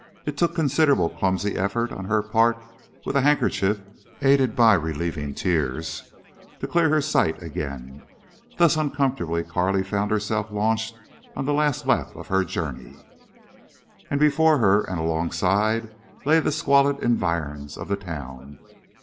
It took considerable clumsy effort on her part with a handkerchief, aided by relieving tears, to clear her sight again. Thus uncomfortably Carley found herself launched on the last lap of her journey. All before her and alongside lay the squalid environs of the town.